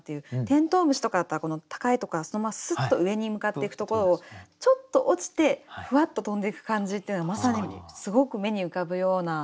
テントウムシとかだったら高いとこからそのままスッと上に向かっていくところをちょっと落ちてふわっと飛んでいく感じっていうのはまさにすごく目に浮かぶような。